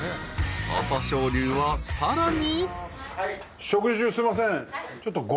［朝青龍はさらに］